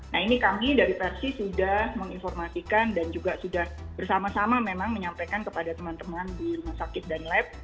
nah ini kami dari persi sudah menginformasikan dan juga sudah bersama sama memang menyampaikan kepada teman teman di rumah sakit dan lab